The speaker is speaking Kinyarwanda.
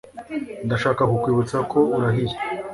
Ndashaka kukwibutsa ko urahiye